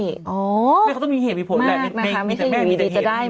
นางก็ต้องมีเหตุมีผลแหละมีแต่แม่งมีแต่เหตุมีผล